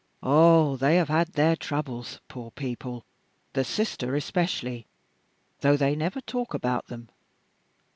Ah! they have had their troubles, poor people, the sister especially, though they never talk about them.